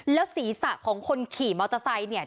แล้วศีรษะของคนขี่มอเตอร์ไซค์เนี่ย